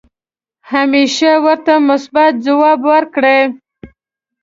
همیشه ورته مثبت ځواب ورکړئ .